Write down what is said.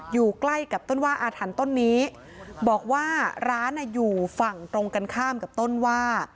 อยู่ใกล้กับต้นว่าอาถรรพ์ต้นนี้บอกว่าร้านอยู่ฝั่งตรงกันข้ามกับต้นว่า